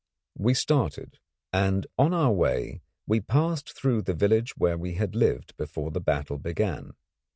We started, and on our way we passed through the village where we had lived before the battle began.